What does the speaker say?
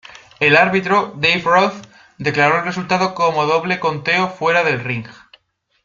El árbitro, Dave Routh, declaró el resultado como Doble Conteo Fuera del Ring.